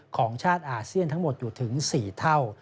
ของชาติอาเซียนทั้งหมดอยู่ถึง๔เท่า